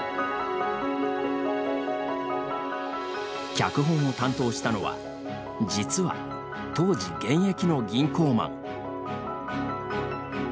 脚本を担当したのは実は、当時現役の銀行マン。